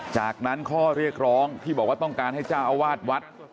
จากนั้นข้อเรียกร้องที่บอกว่าต้องการให้เจ้าอาวาสวัด